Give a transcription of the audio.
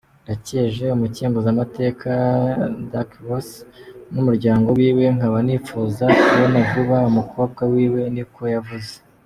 Ndakeje umukenguzamateka Duckworth n'umuryango wiwe, nkaba nipfuza kubona vuba umukobwa wiwe," niko yavuze.